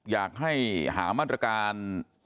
อยากให้หามาตรการ